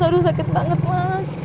aduh sakit banget mas